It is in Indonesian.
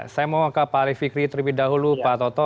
saya mau ke pak ali fikri terlebih dahulu pak toto